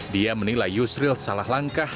dia menilai yusril salah langkah